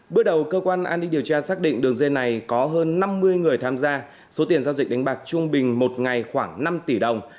bước đầu cơ quan an ninh điều tra xác định đường dây này có hơn năm mươi người tham gia số tiền giao dịch đánh bạc trung bình một ngày khoảng năm tỷ đồng